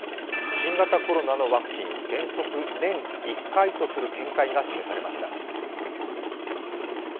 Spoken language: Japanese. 新型コロナのワクチン、原則年１回とする見解が示されました。